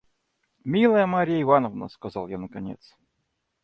«Милая Марья Ивановна! – сказал я наконец.